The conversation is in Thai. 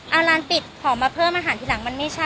เอาร้านปิดของมาเพิ่มอาหารทีหลังมันไม่ใช่